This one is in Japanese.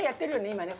今ね